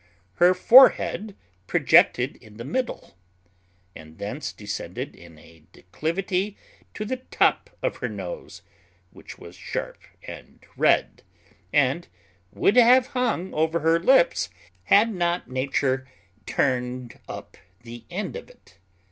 Her forehead projected in the middle, and thence descended in a declivity to the top of her nose, which was sharp and red, and would have hung over her lips, had not nature turned up the end of it.